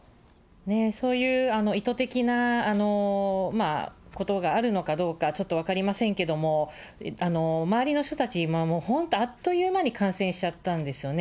そういう意図的なことがあるのかどうか、ちょっと分かりませんけども、周りの人たち、本当、あっという間に感染しちゃったんですよね。